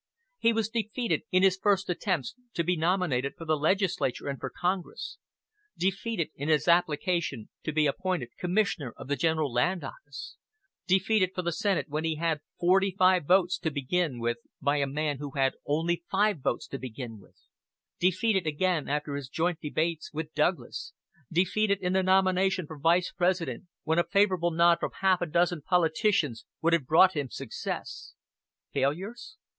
He was defeated in his first attempts to be nominated for the legislature and for Congress; defeated in his application to be appointed Commissioner of the General Land Office; defeated for the Senate when he had forty five votes to begin with by a man who had only five votes to begin with; defeated again after his joint debates with Douglas; defeated in the nomination for Vice President, when a favorable nod from half a dozen politicians would have brought him success. Failures?